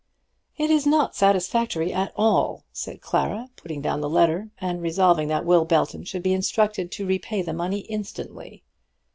"It is not satisfactory at all," said Clara, putting down the letter, and resolving that Will Belton should be instructed to repay the money instantly.